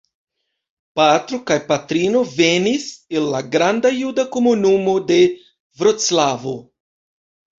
Patro kaj patrino venis el la granda juda komunumo de Vroclavo.